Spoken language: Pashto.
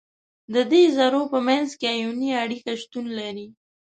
د دې ذرو په منځ کې آیوني اړیکه شتون لري.